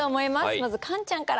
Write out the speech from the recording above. まずカンちゃんから。